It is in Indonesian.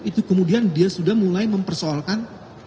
itu kemudian dia sudah mulai mempersoalkan